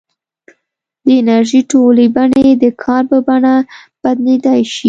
د انرژۍ ټولې بڼې د کار په بڼه بدلېدای شي.